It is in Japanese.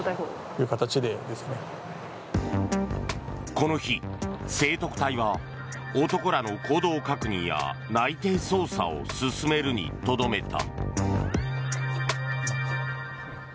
この日、生特隊は男らの行動確認や内偵捜査を進めるにとどめた。